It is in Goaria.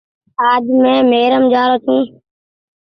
آج مين ميڙيم جآ رو ڇو۔